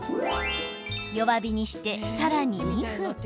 弱火にして、さらに２分。